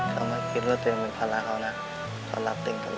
เธอมากิจแล้วตัวเองเป็นภาระเขานะเธอรับตัวเองตลอด